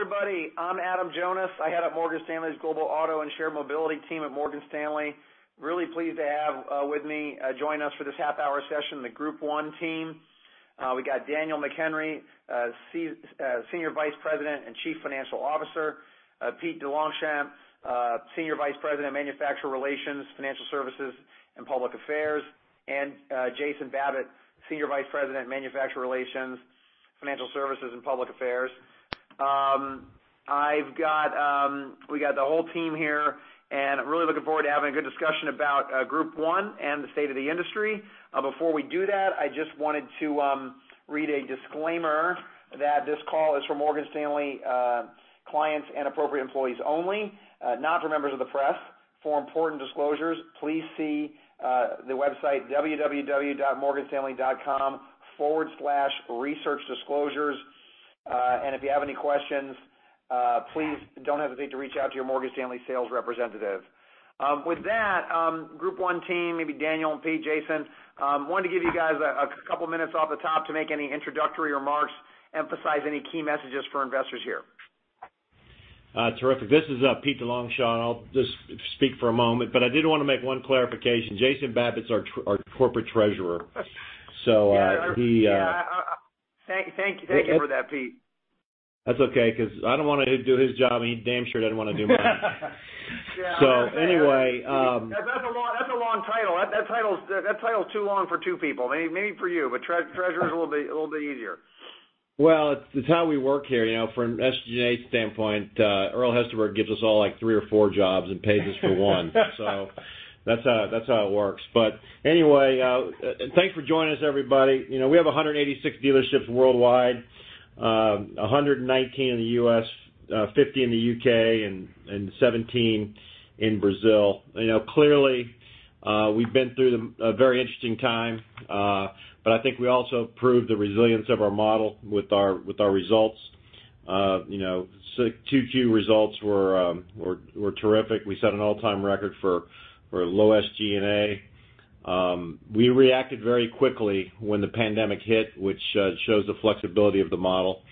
Hello, everybody. I'm Adam Jonas. I head up Morgan Stanley's Global Auto and Shared Mobility team at Morgan Stanley. Really pleased to have with me, joining us for this half-hour session, the Group 1 team. We got Daniel McHenry, Senior Vice President and Chief Financial Officer, Pete DeLongchamps, Senior Vice President of Manufacturer Relations, Financial Services, and Public Affairs, and Jason Babbitt, Senior Vice President, Manufacturer Relations, Financial Services, and Public Affairs. We got the whole team here. Really looking forward to having a good discussion about Group 1 and the state of the industry. Before we do that, I just wanted to read a disclaimer that this call is for Morgan Stanley clients and appropriate employees only, not for members of the press. For important disclosures, please see the website www.morganstanley.com/researchdisclosures. If you have any questions, please don't hesitate to reach out to your Morgan Stanley sales representative. With that, Group 1 team, maybe Daniel and Pete, Jason, wanted to give you guys a couple of minutes off the top to make any introductory remarks, emphasize any key messages for investors here. Terrific. This is Pete DeLongchamps. I'll just speak for a moment but I did want to make one clarification. Jason Babbitt's our Corporate Treasurer. Yeah. Thank you for that, Pete. That's okay because I don't want to do his job and he damn sure doesn't want to do mine. Yeah. So anyway- That's a long title. That title's too long for two people. Maybe for you but treasurer is a little bit easier. Well, it's how we work here. From an SG&A standpoint, Earl Hesterberg gives us all three or four jobs and pays us for one. That's how it works. Anyway, thanks for joining us, everybody. We have 186 dealerships worldwide, 119 in the U.S., 50 in the U.K., and 17 in Brazil. Clearly, we've been through a very interesting time. I think we also proved the resilience of our model with our results. 2Q results were terrific. We set an all-time record for low SG&A. We reacted very quickly when the pandemic hit which shows the flexibility of the model.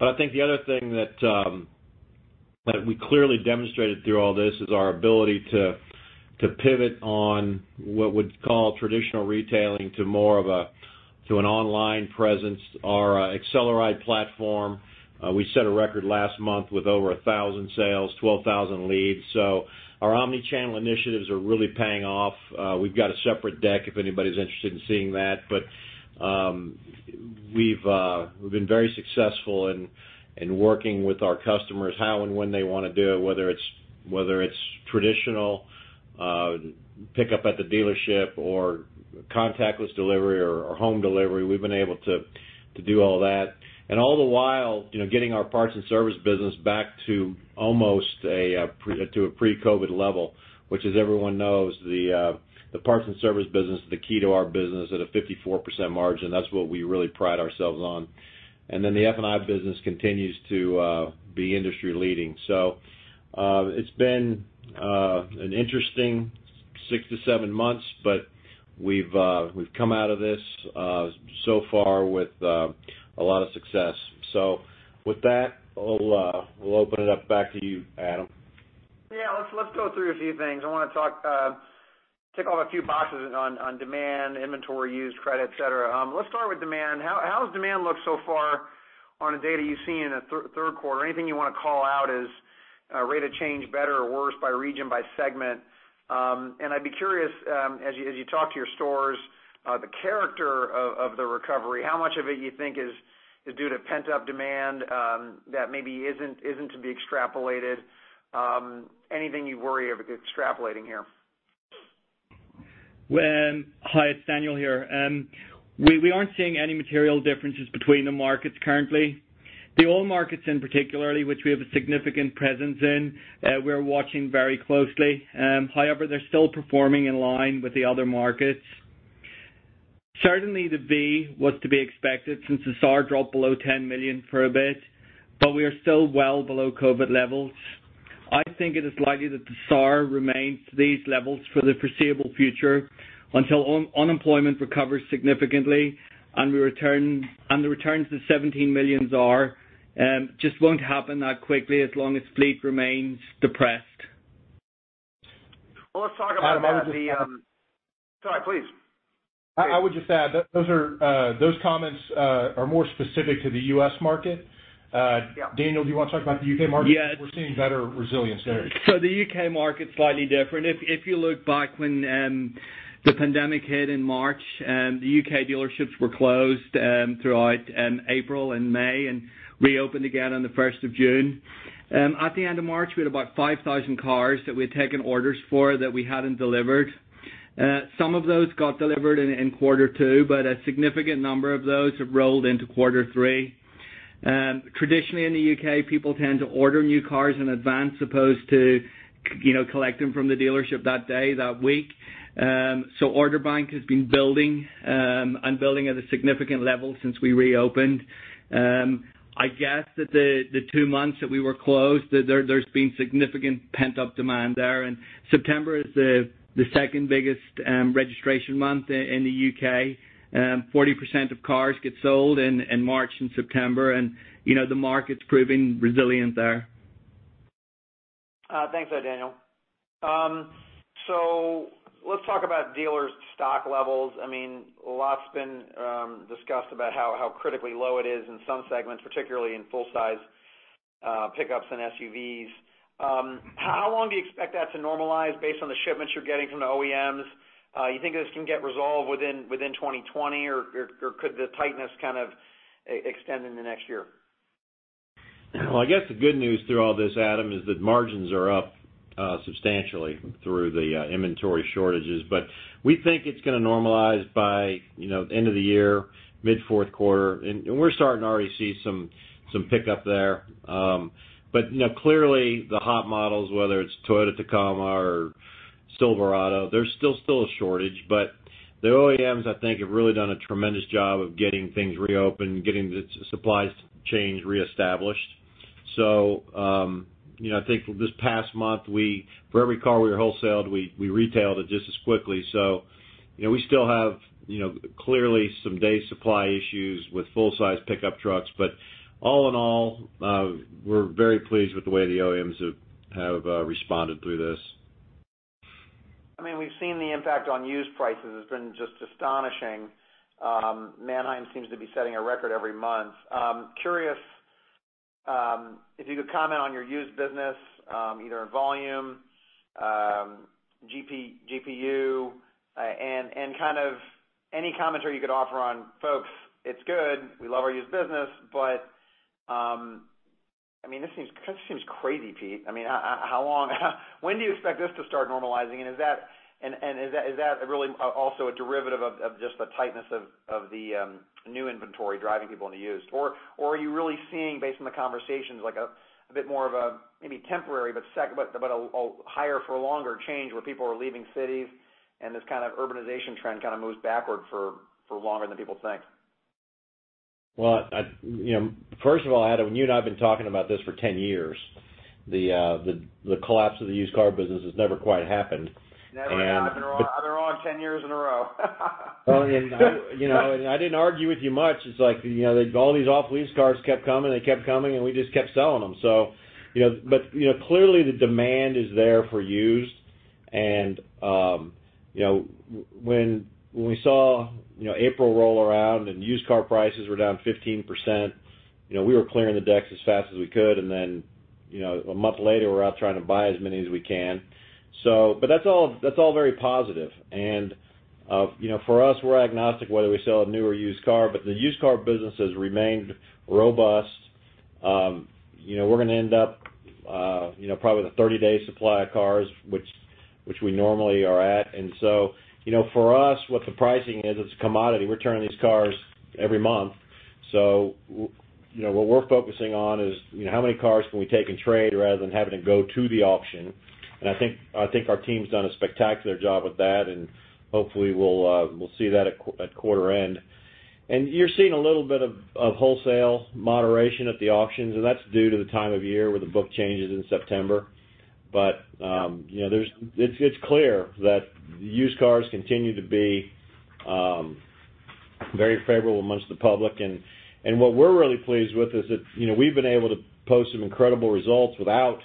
I think the other thing that we clearly demonstrated through all this is our ability to pivot on what we'd call traditional retailing to more of an online presence. Our AcceleRide platform, we set a record last month with over 1,000 sales, 12,000 leads. Our omni-channel initiatives are really paying off. We've got a separate deck if anybody's interested in seeing that. We've been very successful in working with our customers, how and when they want to do it, whether it's traditional pickup at the dealership or contactless delivery or home delivery. We've been able to do all that. All the while, getting our parts and service business back to almost to a pre-COVID level. Which, as everyone knows, the parts and service business is the key to our business at a 54% margin. That's what we really pride ourselves on. The F&I business continues to be industry-leading. It's been an interesting six to seven months, we've come out of this so far with a lot of success. With that, we'll open it up back to you, Adam. Yeah. Let's go through a few things. I want to tick off a few boxes on demand, inventory, used credit, et cetera. Let's start with demand. How does demand look so far on the data you've seen in the third quarter? Anything you want to call out as rate of change, better or worse by region, by segment? I'd be curious, as you talk to your stores, the character of the recovery, how much of it you think is due to pent-up demand that maybe isn't to be extrapolated? Anything you worry of extrapolating here? Hi, it's Daniel here. We aren't seeing any material differences between the markets currently. The oil markets in particular, which we have a significant presence in, we're watching very closely. They're still performing in line with the other markets. Certainly, the bee was to be expected since the SAR dropped below 10 million for a bit, but we are still well below COVID levels. I think it is likely that the SAR remains these levels for the foreseeable future until unemployment recovers significantly and the return to 17 million SAR just won't happen that quickly as long as fleet remains depressed. Well, let's talk about. Adam, Sorry, please. I would just add, those comments are more specific to the U.S. market. Yeah. Daniel, do you want to talk about the U.K. market? Yeah. We're seeing better resilience there. The U.K. market's slightly different. If you look back when the pandemic hit in March, the U.K. dealerships were closed throughout April and May and reopened again on the 1st of June. At the end of March, we had about 5,000 cars that we had taken orders for that we hadn't delivered. Some of those got delivered in quarter two but a significant number of those have rolled into quarter three. Traditionally, in the U.K., people tend to order new cars in advance as opposed to collect them from the dealership that day, that week. Order bank has been building and building at a significant level since we reopened. I guess that the two months that we were closed, there's been significant pent-up demand there. September is the second biggest registration month in the U.K. 40% of cars get sold in March and September. The market's proving resilient there. Thanks, Daniel. Let's talk about dealers' stock levels. A lot's been discussed about how critically low it is in some segments, particularly in full size pickups and SUVs. How long do you expect that to normalize based on the shipments you're getting from the OEMs? You think this can get resolved within 2020? Could the tightness kind of extend into next year? Well, I guess the good news through all this, Adam, is that margins are up substantially through the inventory shortages. We think it's going to normalize by end of the year, mid fourth quarter, and we're starting to already see some pickup there. Clearly the hot models, whether it's Toyota Tacoma or Silverado, there's still a shortage. The OEMs, I think, have really done a tremendous job of getting things reopened, getting the supplies chain reestablished. I think this past month, for every car we wholesaled, we retailed it just as quickly. We still have clearly some day supply issues with full size pickup trucks. All in all, we're very pleased with the way the OEMs have responded through this. We've seen the impact on used prices has been just astonishing. Manheim seems to be setting a record every month. Curious if you could comment on your used business, either in volume, GPU, and any commentary you could offer on, Folks, it's good. We love our used business. This kind of seems crazy, Pete. When do you expect this to start normalizing? Is that really also a derivative of just the tightness of the new inventory driving people into used? Are you really seeing, based on the conversations, a bit more of a, maybe temporary but a higher for longer change where people are leaving cities, and this kind of urbanization trend kind of moves backward for longer than people think? Well, first of all, Adam, you and I have been talking about this for 10 years. The collapse of the used car business has never quite happened. Never. They're on 10 years in a row. I didn't argue with you much. It's like, all these off-lease cars kept coming, and kept coming, and we just kept selling them. Clearly the demand is there for used, and when we saw April roll around and used car prices were down 15%, we were clearing the decks as fast as we could. A month later, we're out trying to buy as many as we can. That's all very positive. For us, we're agnostic whether we sell a new or used car. The used car business has remained robust. We're going to end up probably with a 30-day supply of cars, which we normally are at. For us, what the pricing is, it's a commodity. We're turning these cars every month. What we're focusing on is how many cars can we take in trade rather than having to go to the auction. I think our team's done a spectacular job with that, and hopefully we'll see that at quarter end. You're seeing a little bit of wholesale moderation at the auctions, and that's due to the time of year where the book changes in September. It's clear that used cars continue to be very favorable amongst the public, and what we're really pleased with is that we've been able to post some incredible results without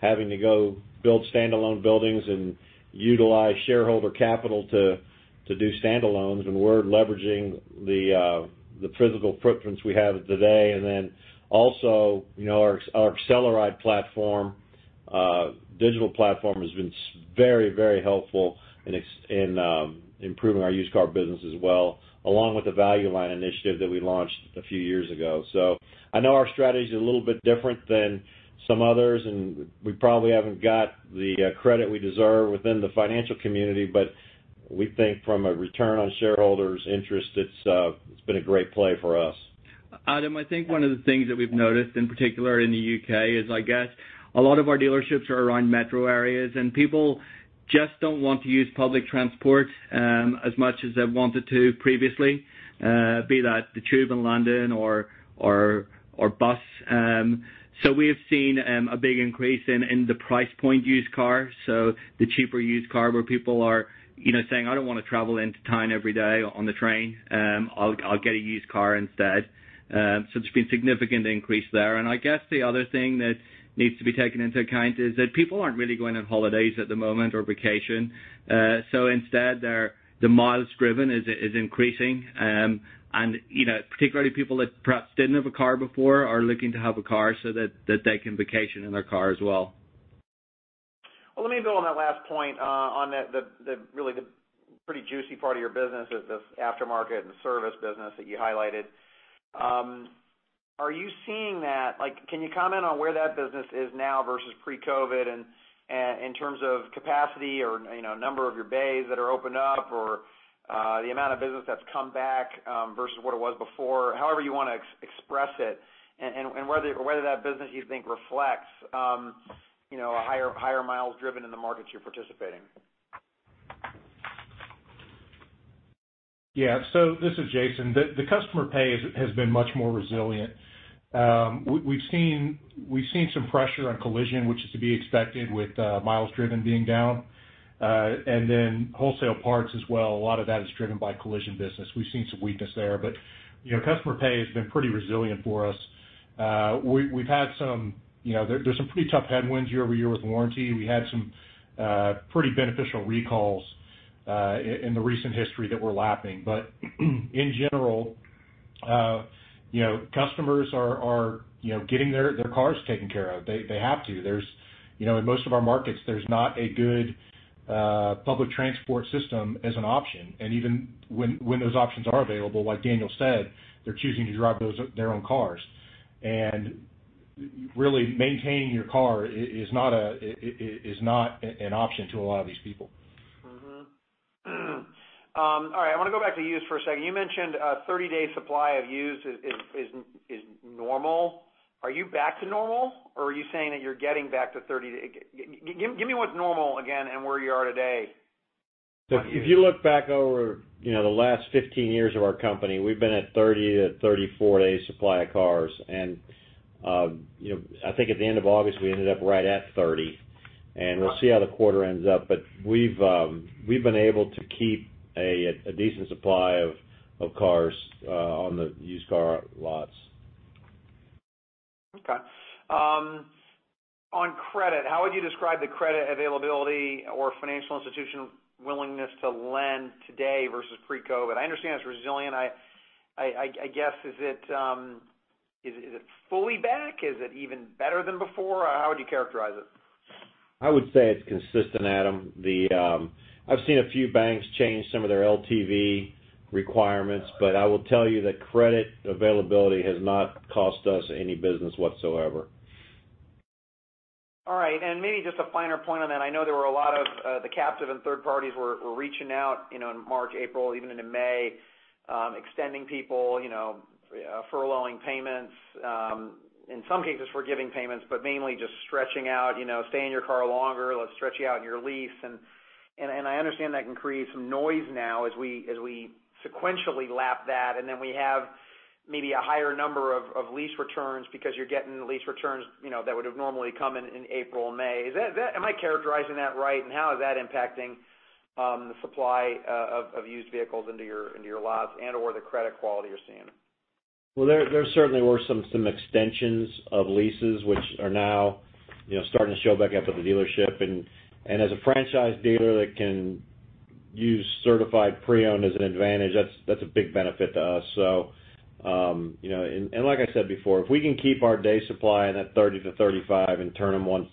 having to go build standalone buildings and utilize shareholder capital to do standalones. We're leveraging the physical footprint we have today. Our AcceleRide platform, digital platform has been very helpful in improving our used car business as well, along with the Val-u-Line initiative that we launched a few years ago. I know our strategy's a little bit different than some others and we probably haven't got the credit we deserve within the financial community. We think from a return on shareholders interest, it's been a great play for us. Adam, I think one of the things that we've noticed in particular in the U.K. is, I guess, a lot of our dealerships are around metro areas, and people just don't want to use public transport as much as they've wanted to previously, be that the Tube in London or bus. We have seen a big increase in the price point used car. The cheaper used car where people are saying, I don't want to travel into town every day on the train. I'll get a used car instead. There's been a significant increase there. I guess the other thing that needs to be taken into account is that people aren't really going on holidays at the moment or vacation. Instead, the miles driven is increasing. Particularly people that perhaps didn't have a car before are looking to have a car so that they can vacation in their car as well. Well, let me build on that last point on the pretty juicy part of your business is this aftermarket and service business that you highlighted. Can you comment on where that business is now versus pre-COVID in terms of capacity or number of your bays that are opened up or the amount of business that's come back versus what it was before, however you want to express it, and whether that business you think reflects a higher miles driven in the markets you're participating? Yeah. This is Jason. The customer pay has been much more resilient. We've seen some pressure on collision, which is to be expected with miles driven being down. Wholesale parts as well. A lot of that is driven by collision business. We've seen some weakness there, customer pay has been pretty resilient for us. There's some pretty tough headwinds year-over-year with warranty. We had some pretty beneficial recalls in the recent history that we're lapping. In general, customers are getting their cars taken care of. They have to. In most of our markets, there's not a good public transport system as an option. Even when those options are available, like Daniel said, they're choosing to drive their own cars. Really maintaining your car is not an option to a lot of these people. Mm-hmm. All right. I want to go back to used for a second. You mentioned a 30-day supply of used is normal. Are you back to normal, or are you saying that you're getting back to 30 day? Give me what's normal again and where you are today. If you look back over the last 15 years of our company, we've been at 30 days-34 days supply of cars. I think at the end of August, we ended up right at 30, and we'll see how the quarter ends up. We've been able to keep a decent supply of cars on the used car lots. On credit, how would you describe the credit availability or financial institution willingness to lend today versus pre-COVID? I understand it's resilient. I guess, is it fully back? Is it even better than before? How would you characterize it? I would say it's consistent, Adam. I've seen a few banks change some of their LTV requirements but I will tell you that credit availability has not cost us any business whatsoever. All right. Maybe just a finer point on that. I know there were a lot of the captive and third parties were reaching out in March, April, even into May, extending people, furloughing payments. In some cases, forgiving payments but mainly just stretching out. Stay in your car longer, let's stretch you out in your lease. I understand that can create some noise now as we sequentially lap that, and then we have maybe a higher number of lease returns because you're getting the lease returns that would've normally come in in April and May. Am I characterizing that right, and how is that impacting the supply of used vehicles into your lots and/or the credit quality you're seeing? Well, there certainly were some extensions of leases which are now starting to show back up at the dealership. As a franchise dealer that can use certified pre-owned as an advantage, that's a big benefit to us. Like I said before, if we can keep our day supply in that 30-35 and turn them once,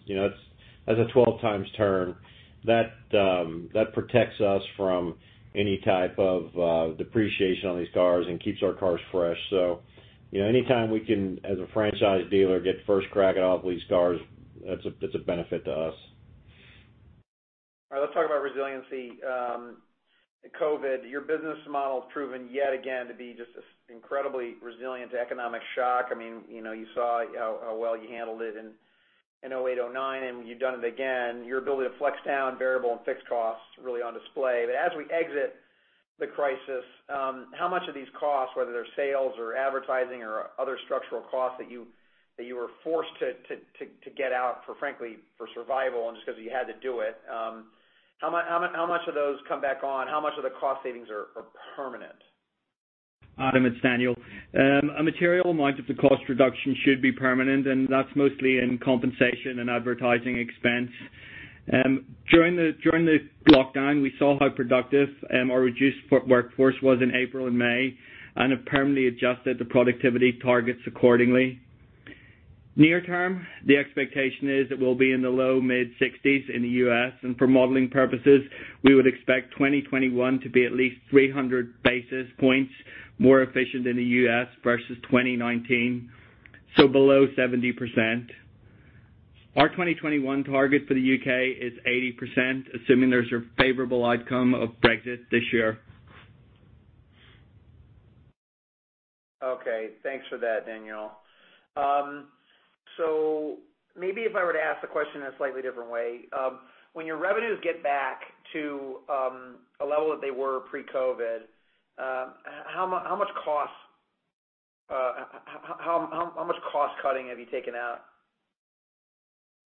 that's a 12 times turn. That protects us from any type of depreciation on these cars and keeps our cars fresh. Anytime we can, as a franchise dealer, get first crack at all of these cars, that's a benefit to us. All right. Let's talk about resiliency. COVID, your business model's proven yet again to be just incredibly resilient to economic shock. You saw how well you handled it in 2008, 2009, and you've done it again. Your ability to flex down variable and fixed costs really on display. As we exit the crisis, how much of these costs, whether they're sales or advertising or other structural costs that you were forced to get out frankly for survival and just because you had to do it, how much of those come back on? How much of the cost savings are permanent? Adam, it's Daniel. A material amount of the cost reduction should be permanent and that's mostly in compensation and advertising expense. During the lockdown, we saw how productive our reduced workforce was in April and May, and have permanently adjusted the productivity targets accordingly. Near term, the expectation is that we'll be in the low-mid 60s in the U.S., and for modeling purposes, we would expect 2021 to be at least 300 basis points more efficient in the U.S. versus 2019. Below 70%. Our 2021 target for the U.K. is 80%, assuming there's a favorable outcome of Brexit this year. Okay. Thanks for that, Daniel. Maybe if I were to ask the question in a slightly different way, when your revenues get back to a level that they were pre-COVID, how much cost cutting have you taken out?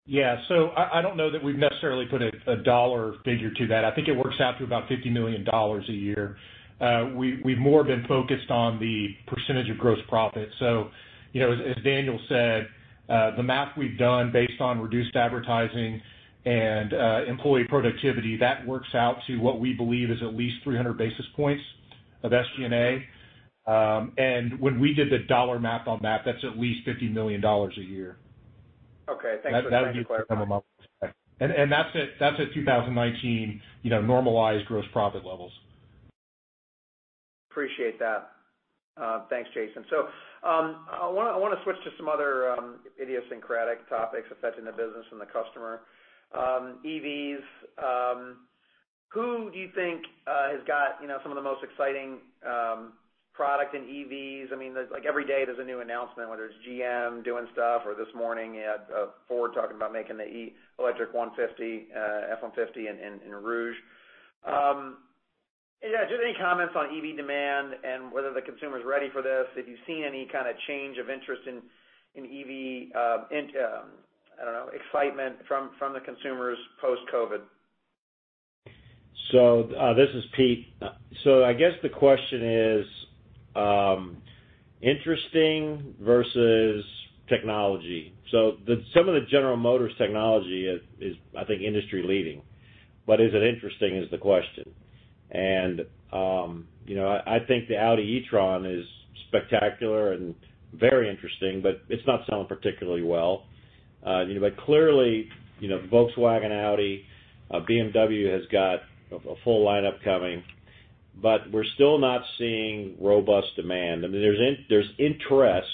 Yeah. I don't know that we've necessarily put a dollar figure to that. I think it works out to about $50 million a year. We've more been focused on the percentage of gross profit. As Daniel said, the math we've done based on reduced advertising and employee productivity that works out to what we believe is at least 300 basis points of SG&A. When we did the dollar math on that's at least $50 million a year. Okay. Thanks for that. Thank you for clarifying. That's at 2019 normalized gross profit levels. Appreciate that. Thanks, Jason. I want to switch to some other idiosyncratic topics affecting the business and the customer. EVs. Who do you think has got some of the most exciting product in EVs? Every day there's a new announcement, whether it's GM doing stuff, or this morning Ford talking about making the electric F-150 in Rouge. Just any comments on EV demand and whether the consumer's ready for this. If you've seen any kind of change of interest in EV, I don't know, excitement from the consumers post-COVID? This is Pete. I guess the question is interesting versus technology. Some of the General Motors technology is, I think, industry leading but is it interesting is the question. I think the Audi e-tron is spectacular and very interesting but it's not selling particularly well. Clearly, Volkswagen, Audi, BMW has got a full lineup coming, but we're still not seeing robust demand. There's interest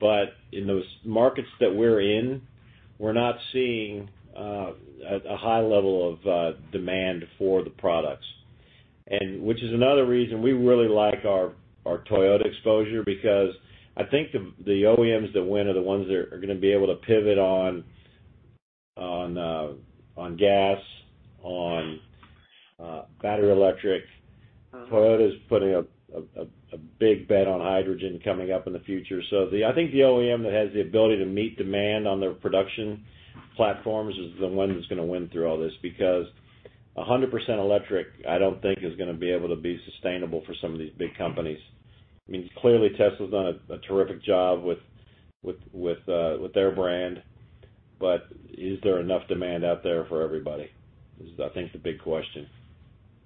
but in those markets that we're in, we're not seeing a high level of demand for the products. Which is another reason we really like our Toyota exposure because I think the OEMs that win are the ones that are going to be able to pivot on gas, on battery electric. Toyota's putting a big bet on hydrogen coming up in the future. I think the OEM that has the ability to meet demand on their production platforms is the one that's going to win through all this, because 100% electric, I don't think is going to be able to be sustainable for some of these big companies. Clearly Tesla's done a terrific job with their brand but is there enough demand out there for everybody is, I think, the big question.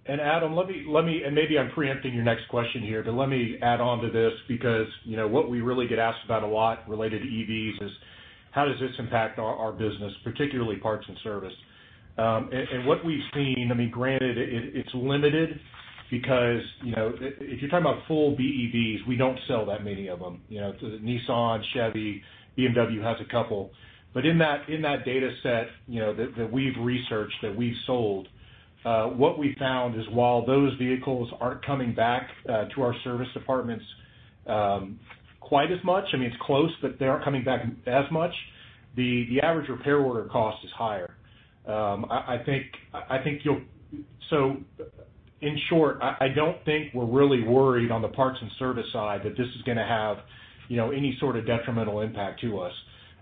Adam, maybe I'm preempting your next question here but let me add on to this because what we really get asked about a lot related to EVs is how does this impact our business, particularly parts and service. What we've seen, granted it's limited because, if you're talking about full BEVs, we don't sell that many of them. Nissan, Chevy, BMW has a couple. In that data set that we've researched, that we've sold, what we found is while those vehicles aren't coming back to our service departments quite as much, it's close but they aren't coming back as much, the average repair order cost is higher. In short, I don't think we're really worried on the parts and service side that this is going to have any sort of detrimental impact to us.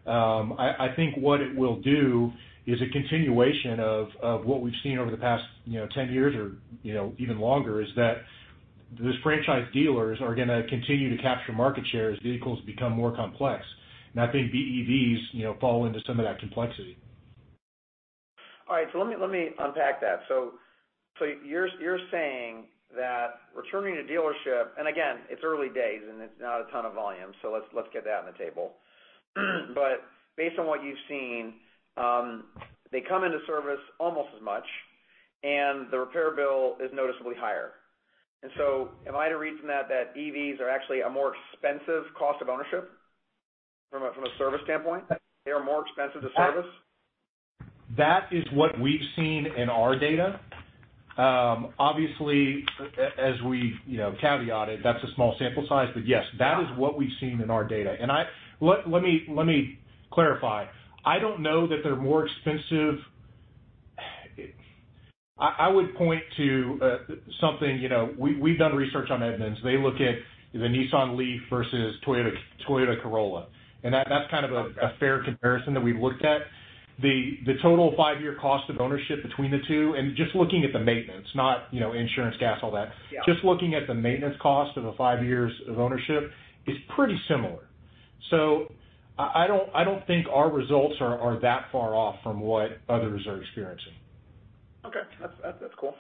I think what it will do is a continuation of what we've seen over the past 10 years or even longer, is that those franchise dealers are going to continue to capture market share as vehicles become more complex. I think BEVs fall into some of that complexity. All right. Let me unpack that. You're saying that returning to dealership, and again, it's early days and it's not a ton of volume. Let's get that on the table. Based on what you've seen, they come into service almost as much, and the repair bill is noticeably higher. Am I to read from that EVs are actually a more expensive cost of ownership from a service standpoint? They are more expensive to service? That is what we've seen in our data. Obviously, as we caveat it, that's a small sample size but yes, that is what we've seen in our data. Let me clarify. I don't know that they're more expensive. I would point to something, we've done research on Edmunds. They look at the Nissan LEAF versus Toyota Corolla. That's kind of a fair comparison that we've looked at. The total five-year cost of ownership between the two and just looking at the maintenance not insurance, gas, all that. Yeah. Just looking at the maintenance cost of the five years of ownership is pretty similar. I don't think our results are that far off from what others are experiencing. Okay. That's cool.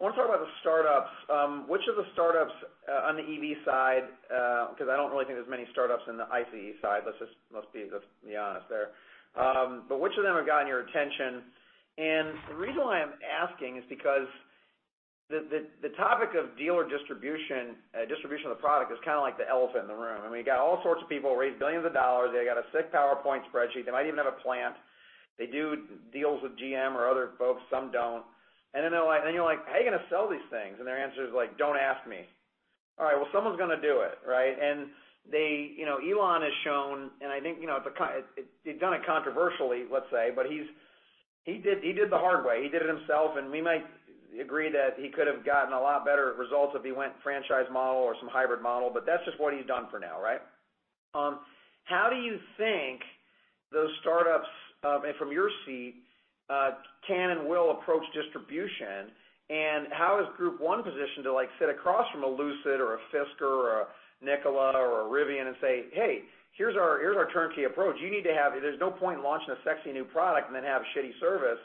I want to talk about the startups. Which of the startups on the EV side because I don't really think there's many startups in the ICE side. Let's just be honest there. Which of them have gotten your attention? The reason why I'm asking is because the topic of dealer distribution of the product is kind of like the elephant in the room. You've got all sorts of people raising billions of dollars. They got a sick PowerPoint spreadsheet. They might even have a plant. They do deals with GM or other folks, some don't. Then you're like, How are you going to sell these things? Their answer is like, Don't ask me. All right, well, someone's going to do it, right? Elon has shown, and I think he's done it controversially, let's say, but he did it the hard way. He did it himself. We might agree that he could have gotten a lot better results if he went franchise model or some hybrid model. That's just what he's done for now. How do you think those startups, from your seat, can and will approach distribution? How is Group 1 positioned to sit across from a Lucid or a Fisker or a Nikola or a Rivian and say, Hey, here's our turnkey approach. There's no point in launching a sexy new product and then have shitty service.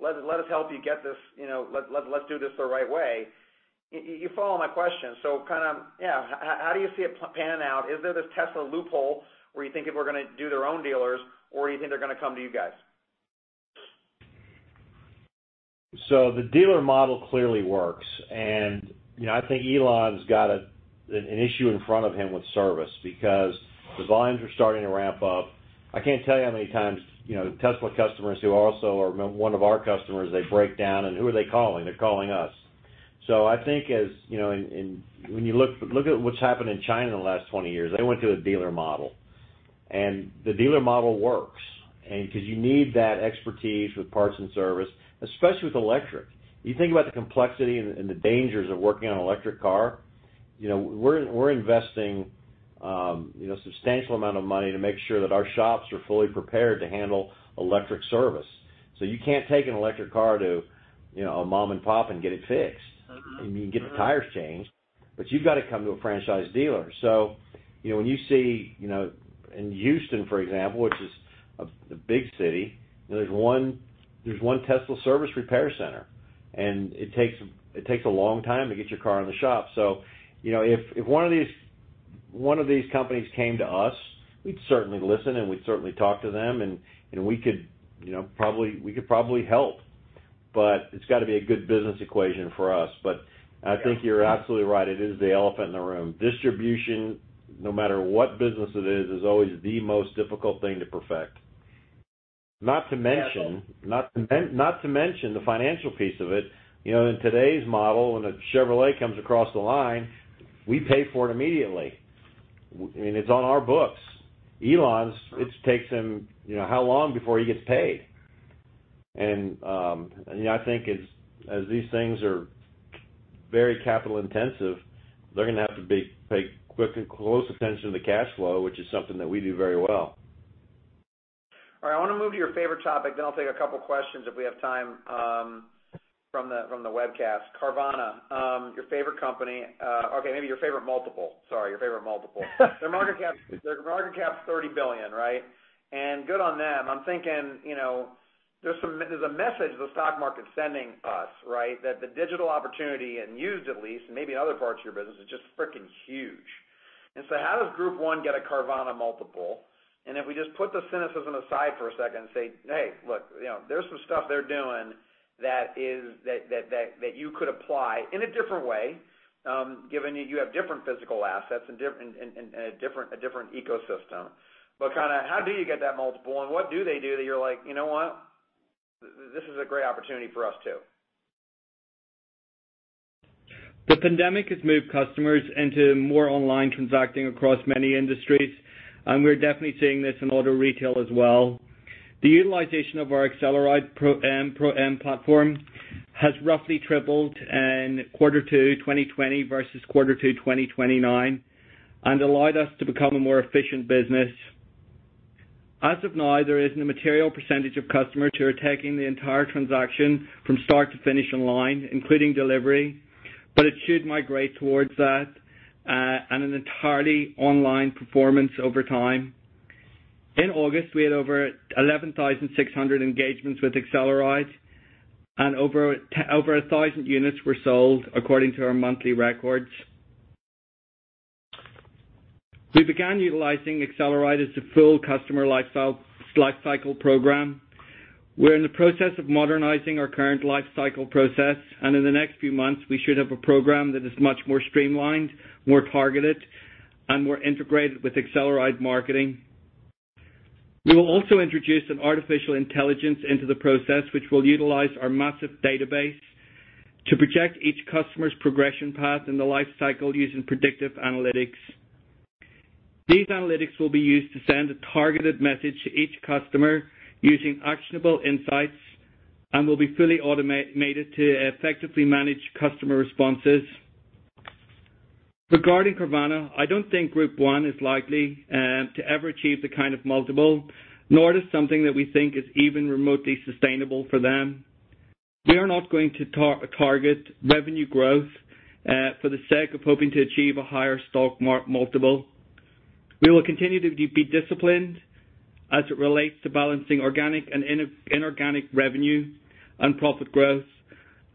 Let us help you get this. Let's do this the right way. You follow my question. How do you see it panning out? Is there this Tesla loophole where you think people are going to do their own dealers, or you think they're going to come to you guys? The dealer model clearly works. I think Elon's got an issue in front of him with service because the volumes are starting to ramp up. I can't tell you how many times Tesla customers who also are one of our customers, they break down and who are they calling? They're calling us. I think when you look at what's happened in China in the last 20 years, they went to a dealer model. The dealer model works because you need that expertise with parts and service, especially with electric. You think about the complexity and the dangers of working on an electric car. We're investing substantial amount of money to make sure that our shops are fully prepared to handle electric service. You can't take an electric car to a mom and pop and get it fixed. You can get the tires changed but you've got to come to a franchise dealer. When you see in Houston, for example, which is a big city, there's one Tesla service repair center, and it takes a long time to get your car in the shop. If one of these companies came to us, we'd certainly listen, and we'd certainly talk to them, and we could probably help. It's got to be a good business equation for us. I think you're absolutely right. It is the elephant in the room. Distribution, no matter what business it is always the most difficult thing to perfect. Not to mention the financial piece of it. In today's model, when a Chevrolet comes across the line, we pay for it immediately, and it's on our books. Elon's, it takes him how long before he gets paid? I think as these things are very capital intensive, they're going to have to pay quick and close attention to the cash flow, which is something that we do very well. All right. I want to move to your favorite topic, then I'll take a couple questions if we have time from the webcast. Carvana, your favorite company. Okay, maybe your favorite multiple. Sorry, your favorite multiple. Their market cap's $30 billion, right? Good on them. I'm thinking, there's a message the stock market's sending us, right? That the digital opportunity in used at least, and maybe in other parts of your business, is just freaking huge. How does Group 1 get a Carvana multiple? If we just put the cynicism aside for a second and say, Hey, look, there's some stuff they're doing that you could apply in a different way, given that you have different physical assets and a different ecosystem. How do you get that multiple, and what do they do that you're like, You know what? This is a great opportunity for us, too. The pandemic has moved customers into more online transacting across many industries, and we're definitely seeing this in auto retail as well. The utilization of our AcceleRide Pro M platform has roughly tripled in quarter two 2020 versus quarter two 2019 and allowed us to become a more efficient business. As of now, there isn't a material percentage of customers who are taking the entire transaction from start to finish online, including delivery but it should migrate towards that and an entirely online performance over time. In August, we had over 11,600 engagements with AcceleRide, and over 1,000 units were sold according to our monthly records. We began utilizing AcceleRide as a full customer life cycle program. We're in the process of modernizing our current life cycle process, and in the next few months, we should have a program that is much more streamlined, more targeted, and more integrated with AcceleRide marketing. We will also introduce an artificial intelligence into the process, which will utilize our massive database to project each customer's progression path in the life cycle using predictive analytics. These analytics will be used to send a targeted message to each customer using actionable insights and will be fully automated to effectively manage customer responses. Regarding Carvana, I don't think Group 1 is likely to ever achieve the kind of multiple, nor it is something that we think is even remotely sustainable for them. We are not going to target revenue growth for the sake of hoping to achieve a higher stock multiple. We will continue to be disciplined as it relates to balancing organic and inorganic revenue and profit growth,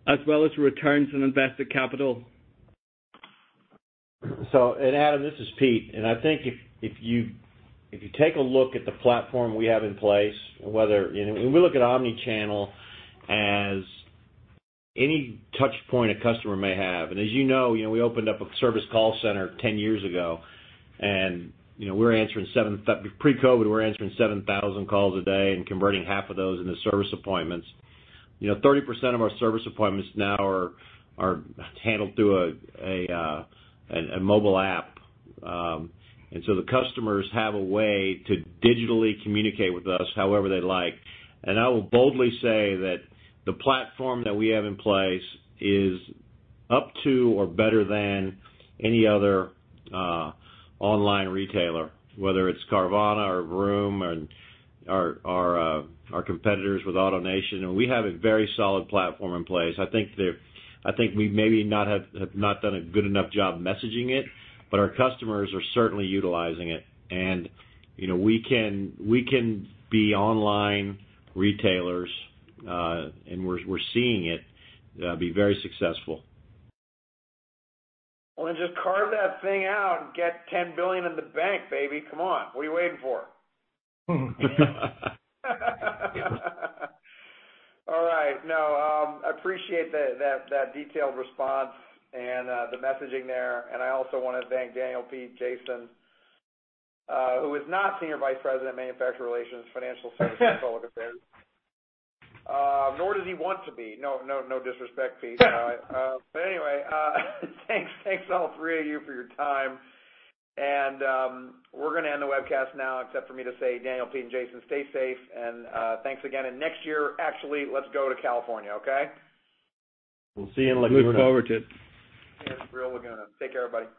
as well as returns on invested capital. Adam, this is Pete, I think if you take a look at the platform we have in place, whether we look at omni-channel as any touch point a customer may have. As you know, we opened up a service call center 10 years ago, and pre-COVID, we were answering 7,000 calls a day and converting half of those into service appointments. 30% of our service appointments now are handled through a mobile app. The customers have a way to digitally communicate with us however they like. I will boldly say that the platform that we have in place is up to or better than any other online retailer, whether it's Carvana or Vroom or our competitors with AutoNation. We have a very solid platform in place. I think we maybe have not done a good enough job messaging it but our customers are certainly utilizing it. We can be online retailers, and we're seeing it be very successful. Then just carve that thing out and get $10 billion in the bank, baby. Come on. What are you waiting for? All right. No. I appreciate that detailed response and the messaging there, and I also want to thank Daniel, Pete, Jason, who is not Senior Vice President of Manufacturer Relations, Financial Services & Public Affairs. Nor does he want to be. No disrespect, Pete. Anyway, thanks all three of you for your time. We're going to end the webcast now, except for me to say, Daniel, Pete and Jason, stay safe and thanks again. Next year, actually, let's go to California, okay? We'll see you in Laguna. Look forward to it. In Laguna. Take care, everybody.